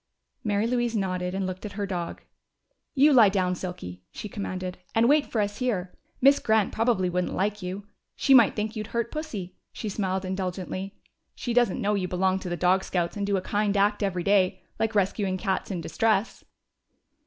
Mary Louise nodded and looked at her dog. "You lie down, Silky," she commanded, "and wait here for us. Miss Grant probably wouldn't like you. She might think you'd hurt Pussy." She smiled indulgently. "She doesn't know you belong to the Dog Scouts and do a kind act every day like rescuing cats in distress!"